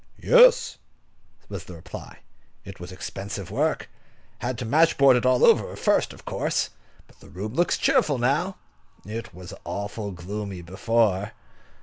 "Yes," was the reply: "it was expensive work. Had to match board it all over first, of course. But the room looks cheerful now. It was awful gloomy before."